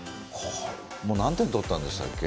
もう何点取ったんでしたっけ。